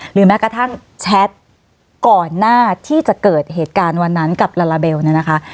แม้กระทั่งแชทก่อนหน้าที่จะเกิดเหตุการณ์วันนั้นกับลาลาเบลเนี่ยนะคะ